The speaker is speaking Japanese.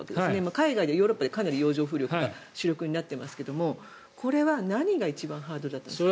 海外ではヨーロッパではかなり洋上風力が主力になっていますがこれは何が一番ハードルが高いんですか？